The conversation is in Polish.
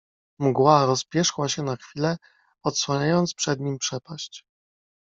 "Mgła rozpierzchła się na chwilę, odsłaniając przed nim przepaść."